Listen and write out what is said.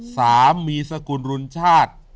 สามีสกุลรุนชาติ